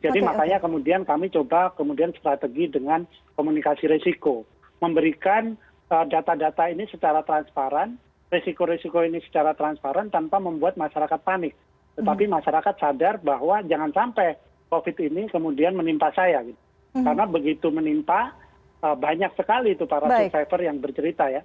jadi makanya kemudian kami coba kemudian strategi dengan komunikasi resiko memberikan data data ini secara transparan resiko resiko ini secara transparan tanpa membuat masyarakat panik tetapi masyarakat sadar bahwa jangan sampai covid ini kemudian menimpa saya karena begitu menimpa banyak sekali itu para subscriber yang bercerita ya